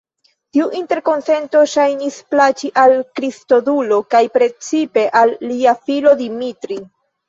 Tiu interkonsento ŝajnis plaĉi al Kristodulo, kaj precipe al lia filo Dimitri.